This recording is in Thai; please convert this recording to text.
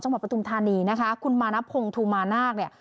จังหวัดประตุมธานีนะคะคุณมานัพพงศ์ธุมานาค